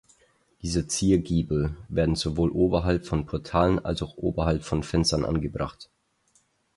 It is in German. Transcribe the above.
Diese Ziergiebel werden sowohl oberhalb von Portalen als auch oberhalb von Fenstern angebracht.